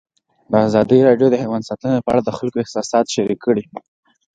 ازادي راډیو د حیوان ساتنه په اړه د خلکو احساسات شریک کړي.